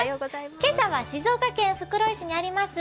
今朝は静岡県袋井市にあります